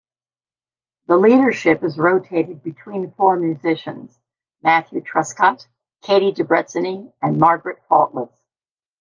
The leadership is rotated between four musicians: Matthew Truscott, Kati Debretzeni and Margaret Faultless.